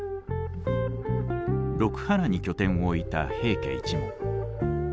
六波羅に拠点を置いた平家一門。